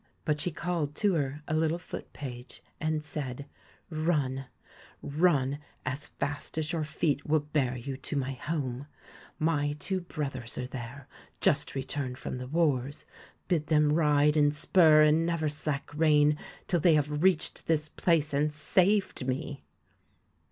But she called to her a little foot page, and said :' Run, run, as fast as your feet will bear you to my home. My two 163 BLUE brothers are there, just returned from the wars. BEARD Bid them ride and spur and never slack rein till they have reached this place and saved me.'